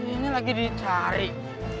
ini lagi ditarik